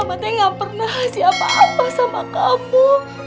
mamate gak pernah siapa apa sama kamu